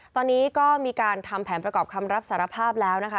ตอนนี้ก็มีการทำแผนประกอบคำรับสารภาพแล้วนะคะ